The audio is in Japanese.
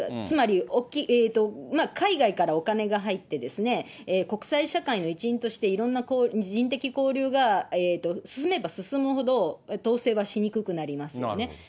つまり、海外からお金が入って、国際社会の一員として、いろんな人的交流が進めば進むほど、統制はしにくくなりますよね。